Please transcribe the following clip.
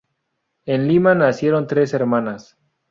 En Lima nacieron tres hermanas.